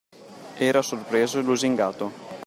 Era sorpreso e lusingato.